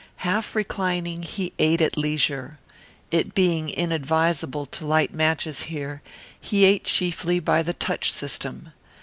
Half reclining, he ate at leisure. It being inadvisable to light matches here he ate chiefly by the touch system.